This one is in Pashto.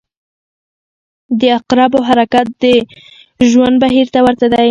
• د عقربو حرکت د ژوند بهیر ته ورته دی.